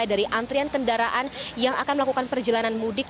dari antrian kendaraan yang akan melakukan perjalanan mudik